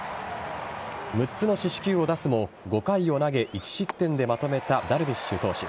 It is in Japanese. ６つの四死球を出すも５回を投げ１失点でまとめたダルビッシュ投手。